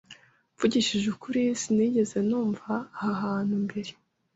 Mvugishije ukuri, Sinigeze numva aha hantu mbere.